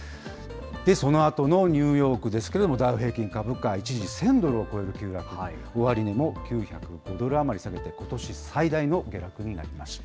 そのあとのニューヨークですけれども、ダウ平均株価、一時１０００ドルを超える急落、終値も９０５ドル余り下げて、ことし最大の下落になりました。